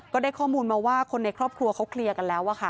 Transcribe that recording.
ก็ได้ข้อมูลมาว่าคนในครอบครัวเขาเคลียร์กันแล้ว